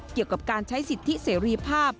เกี่ยวกับการใช้สิทธิเสรีภาพ